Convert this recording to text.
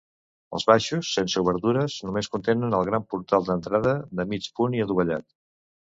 Els baixos, sense obertures, només contenen el gran portal d'entrada, de mig punt i adovellat.